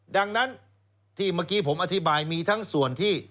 ดังนั้นที่เมื่อกี้ผมอธิบายมีทั้งส่วนที่